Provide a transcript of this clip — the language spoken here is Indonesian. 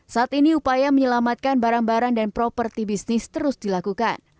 saat ini upaya menyelamatkan barang barang dan properti bisnis terus dilakukan